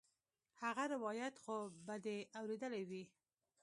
هغه روايت خو به دې اورېدلى وي.